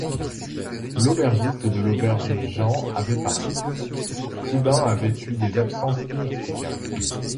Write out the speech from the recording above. L’aubergiste de l’auberge Jean avait parlé ; Clubin avait eu des absences inexplicables.